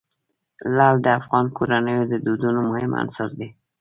لعل د افغان کورنیو د دودونو مهم عنصر دی.